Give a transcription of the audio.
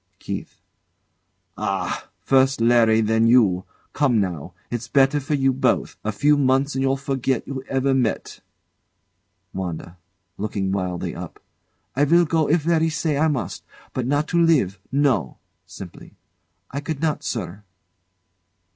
KEITH. Ah! First Larry, then you! Come now. It's better for you both. A few months, and you'll forget you ever met. WANDA. [Looking wildly up] I will go if Larry say I must. But not to live. No! [Simply] I could not, sir.